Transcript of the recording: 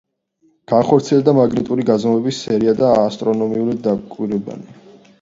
განახორციელა მაგნიტური გაზომვების სერია და ასტრონომიული დაკვირვებანი.